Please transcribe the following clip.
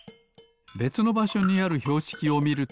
べつのばしょにあるひょうしきをみると。